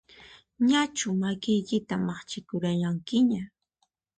Ñachu makiykita maqchikuranqiña?